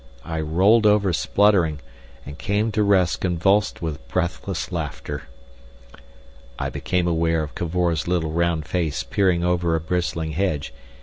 I rolled over spluttering, and came to rest convulsed with breathless laughter. I became aware of Cavor's little round face peering over a bristling hedge.